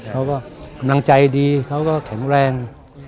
เขาก็กำลังใจดีเขาก็แข็งแรง